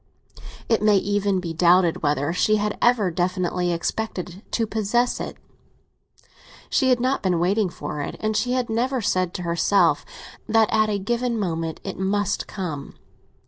It may even be doubted whether she had ever definitely expected to possess it; she had not been waiting for it, and she had never said to herself that at a given moment it must come.